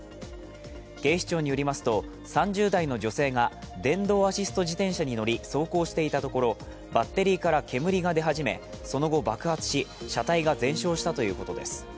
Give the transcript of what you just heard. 警視庁によりますと３０代の女性が電動アシスト自転車に乗り走行していたところバッテリーから煙が出始め、その後爆発し、車体が全焼したということです。